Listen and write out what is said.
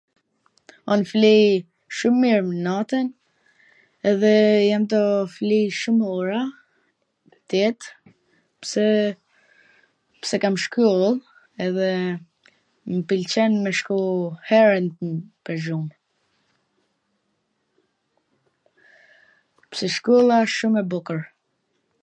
un flij shum mir natwn, edhe jam tu fli shum ora, tet, pse, pse kam shkooll, edhe m pwlqen me shku herwt pwr gjum, .... pse shkolla wsht shum e bukur